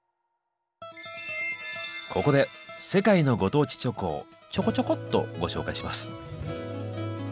ここで世界のご当地チョコをちょこちょこっとご紹介します。